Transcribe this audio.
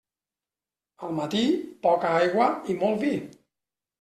Al matí, poca aigua i molt vi.